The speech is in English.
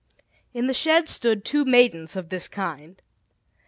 In the shed stood two Maidens of this kind.